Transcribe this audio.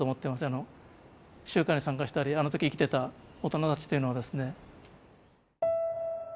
あの集会に参加したりあの時生きてた大人たちっていうのはですね。